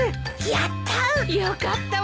やった！